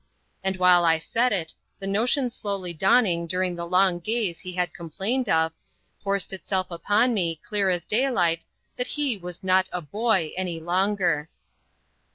And while I said it, the notion slowly dawning during the long gaze he had complained of, forced itself upon me, clear as daylight, that he was not a "boy" any longer.